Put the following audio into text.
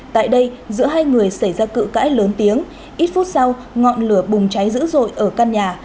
tại đây giữa hai người xảy ra cự cãi lớn tiếng ít phút sau ngọn lửa bùng cháy dữ dội ở căn nhà